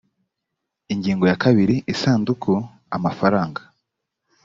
ingingo ya kabiri isanduku amafaranga